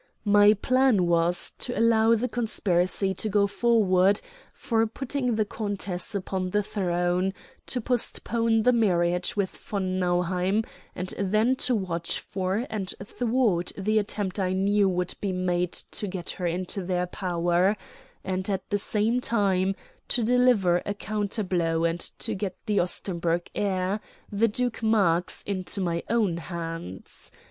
My plan was to allow the conspiracy to go forward for putting the countess upon the throne, to postpone the marriage with von Nauheim, and then to watch for and thwart the attempt I knew would be made to get her into their power; and at the same time to deliver a counter blow and to get the Ostenburg heir, the Duke Marx, into my own hands.